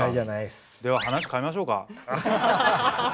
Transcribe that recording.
では話変えましょうか？